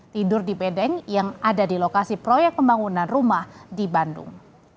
tidur di bedeng yang ada di lokasi proyek pembangunan rumah di bandung